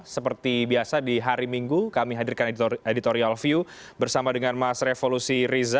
seperti biasa di hari minggu kami hadirkan editorial view bersama dengan mas revolusi riza